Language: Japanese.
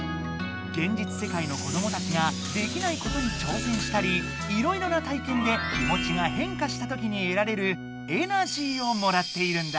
現実世界の子どもたちができないことに挑戦したりいろいろな体験で気もちがへんかしたときにえられる「エナジー」をもらっているんだ。